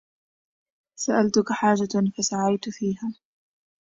سألتك حاجة فسعيت فيها